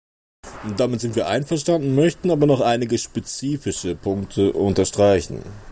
Damit sind wir einverstanden, möchten aber noch einige spezifische Punkte unterstreichen.